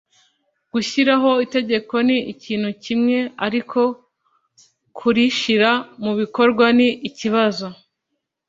Gushyiraho itegeko ni ikintu kimwe, ariko kurishyira mu bikorwa ni ikibazo